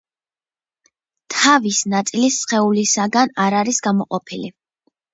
თავის ნაწილი სხეულისაგან არ არის გამოყოფილი.